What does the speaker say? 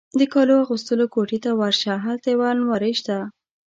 د کالو اغوستلو کوټې ته ورشه، هلته یو المارۍ شته.